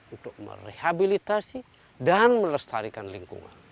untuk merehabilitasi dan melestarikan lingkungan